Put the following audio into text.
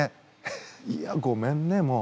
ハハいやごめんねもう。